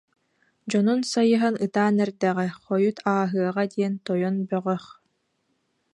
Дьонун сайыһан ытаан эрдэҕэ, хойут ааһыаҕа диэн тойон бөҕөх